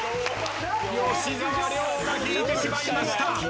吉沢亮が引いてしまいました。